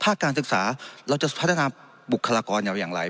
การศึกษาเราจะพัฒนาบุคลากรอย่างไร